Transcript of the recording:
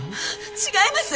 違います！